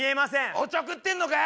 おちょくってんのかよ！